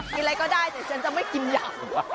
อะไรก็ได้แต่ฉันจะไม่กินยำ